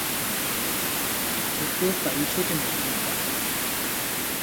Este parixe que m'escuita.